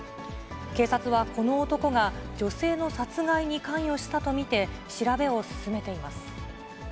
警察はこの男が女性の殺害に関与したと見て、調べを進めています。